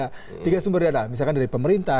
misalkan dari sumber dana misalkan dari pemerintah